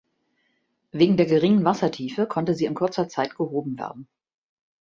Wegen der geringen Wassertiefe konnte sie in kurzer Zeit gehoben werden.